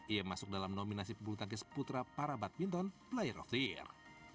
ia masuk dalam nominasi pembuluh tangkis putra para badminton player of the year